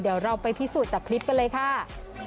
เดี๋ยวเราไปพิสูจน์จากคลิปกันเลยค่ะ